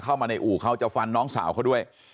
เข้ามาในอู่เขาจะฟันน้องสาวเขาด้วย